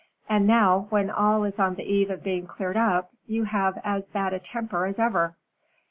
And now, when all is on the eve of being cleared up, you have as bad a temper as ever."